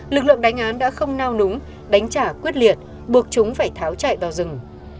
lực lượng đánh án đã không nao núng đánh trả quyết liệt buộc chúng phải tháo chạy vào rừng